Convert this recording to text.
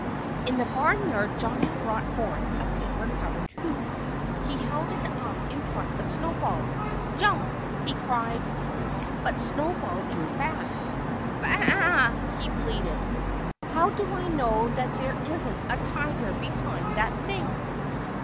In the barnyard Johnnie brought forth a paper covered hoop. He held it up in front of Snowball. "Jump!" he cried. But Snowball drew back. "Baa a a!" he bleated. "How do I know that there isn't a tiger behind that thing?"